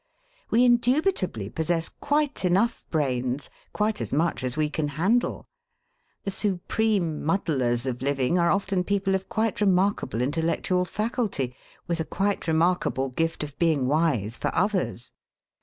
We indubitably possess quite enough brains, quite as much as we can handle. The supreme muddlers of living are often people of quite remarkable intellectual faculty, with a quite remarkable gift of being wise for others.